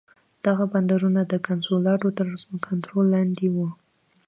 دغه بندرونه د کنسولاډو تر کنټرول لاندې وو.